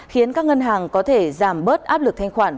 khiến các ngân hàng có thể giảm bớt áp lực thanh khoản